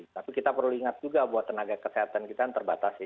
tapi kita perlu ingat juga buat tenaga kesehatan kita yang terbatas ya